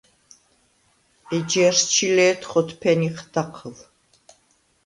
ეჯჲარს ჩი ლე̄თ ხოთფენიხ დაჴჷლ.